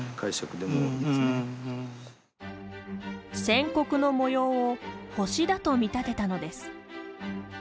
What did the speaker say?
線刻の模様を星だと見立てたのです。